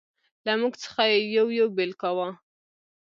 له موږ څخه یې یو یو بېل کاوه.